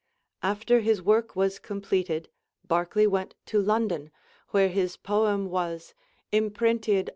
After his work was completed Barclay went to London, where his poem was "imprentyd